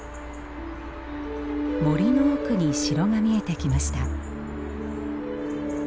森の奥に城が見えてきました。